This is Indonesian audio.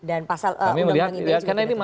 dan pasal undang undang ini juga tidak tepat